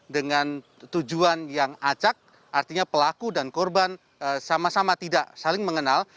dengan tujuan yang acak artinya pelaku dan korban sama sama tidak saling mengenal